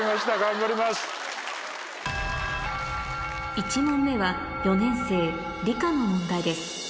１問目は４年生理科の問題です